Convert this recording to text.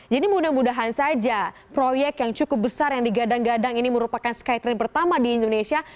jadi mudah mudahan saja proyek yang cukup besar yang digadang gadang ini merupakan skytrain pertama di indonesia